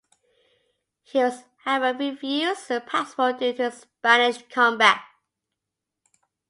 He was however refused a passport due to his Spanish combat.